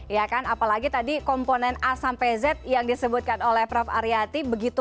ya kan apalagi tadi komponen a sampai z yang disebutkan oleh prof aryati begitu